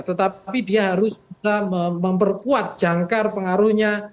tetapi dia harus bisa memperkuat jangkar pengaruhnya